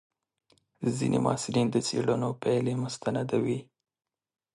ځینې محصلین د څېړنو پایلې مستندوي.